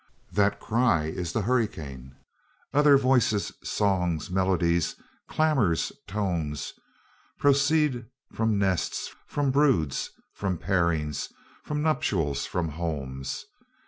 That cry is the hurricane. Other voices, songs, melodies, clamours, tones, proceed from nests, from broods, from pairings, from nuptials, from homes.